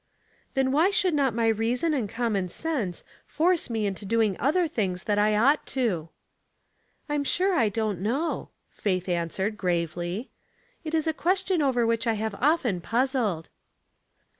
*' Then why eko'ald not my reason and common sense fore© me into doing other things that I ought to ?"" I'm sure I don't know," Faith answered, gravely. "It is a question over which I have often puzzled."